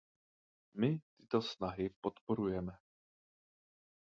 My tyto snahy podporujeme.